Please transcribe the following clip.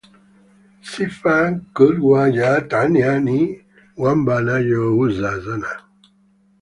Sifa kubwa ya Tanya ni kwamba nayo huzaa sana